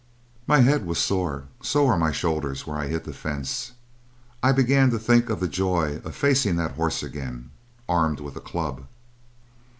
My head was sore; so were my shoulders where I hit the fence; I began to think of the joy of facing that horse again, armed with a club.